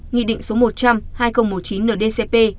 nghị định số một trăm linh hai nghìn một mươi chín ndcp